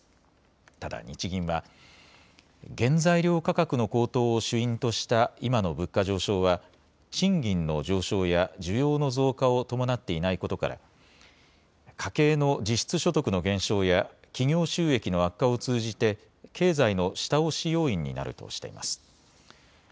ただ日銀は原材料価格の高騰を主因とした今の物価上昇は賃金の上昇や需要の増加を伴っていないことから家計の実質所得の減少や企業収益の悪化を通じて経済の下押し要因になるとしています。